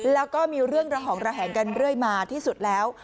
แล้วก็มีเรื่องระหองระแหงกันเรื่อยมาที่สุดแล้ว